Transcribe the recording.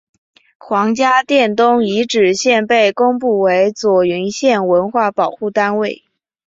黄家店东遗址现被公布为左云县文物保护单位。